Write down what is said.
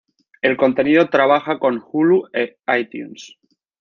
El contenido trabaja con Hulu e iTunes.